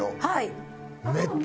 はい。